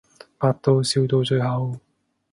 百度笑到最後